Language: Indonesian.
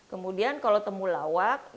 kemudian kalau temulawak